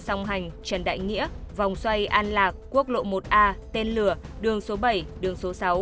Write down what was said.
song hành trần đại nghĩa vòng xoay an lạc quốc lộ một a tên lửa đường số bảy đường số sáu